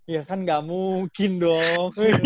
ya kan gak mungkin dong